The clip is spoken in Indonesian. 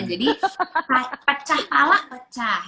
jadi pecah pala pecah